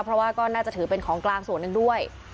เพราะว่าก็น่าจะถือเป็นของกลางส่วนหนึ่งด้วย